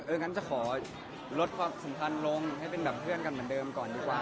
เอออย่างนั้นจะขอลดความสำคัญลงให้เป็นเพื่อนกันเหมือนเดิมก่อนดีกว่า